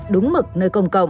đúng mực nơi công cộng